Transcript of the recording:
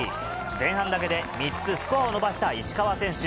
前半だけで３つスコアを伸ばした石川選手。